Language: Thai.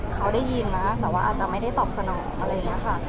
เขาได้ยินนะแต่ว่าอาจจะไม่ได้ตอบสนอง